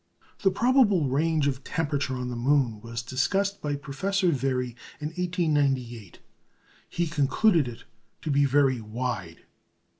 The probable range of temperature on the moon was discussed by Professor Very in 1898. He concluded it to be very wide.